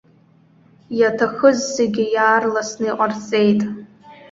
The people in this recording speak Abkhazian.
Иаҭахыз зегьы иаарласны иҟарҵеит.